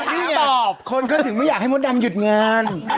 นี่ตอบคนก็ถึงไม่อยากให้มดดำหยุดงาน